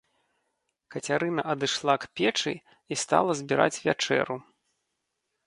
Кацярына адышла к печы і стала збіраць вячэру.